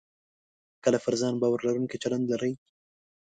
کله پر ځان باور لرونکی چلند لرئ